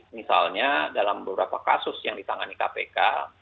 misalnya dalam beberapa kasus yang ditangani kpk